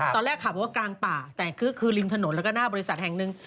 ตอนแรกขับบอกว่ากลางป่าแต่คือริมถนนแล้วก็หน้าบริษัทแห่งหนึ่ง